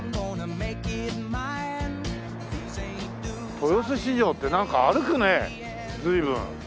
豊洲市場ってなんか歩くね随分。